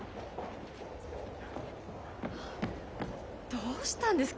どうしたんですか？